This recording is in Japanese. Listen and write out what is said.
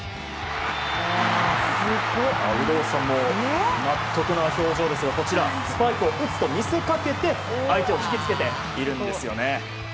有働さんも納得の表情ですがスパイクを打つと見せかけて相手を引き付けているんですよね。